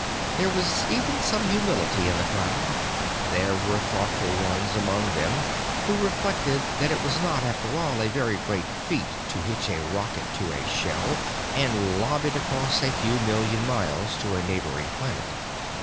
There was even some humility in the crowd. There were thoughtful ones among them who reflected that it was not, after all, a very great feat to hitch a rocket to a shell and lob it across a few million miles to a neighboring planet.